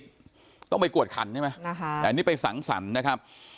ตอน๒๕ปีต้องไปกรวดคันนี่ไหมอันนี้ไปสั่งสรรค์นะครับ